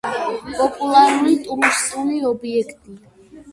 პუპულარული ტურისტული ობიექტია.